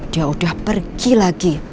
dia udah pergi lagi